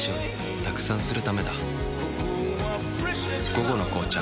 「午後の紅茶」